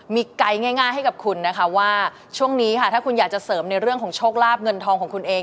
มีไกด์ง่ายให้กับคุณนะคะว่าช่วงนี้ค่ะถ้าคุณอยากจะเสริมในเรื่องของโชคลาบเงินทองของคุณเอง